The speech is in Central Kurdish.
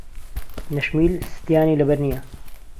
نەشمیل ستیانی لەبەر نییە.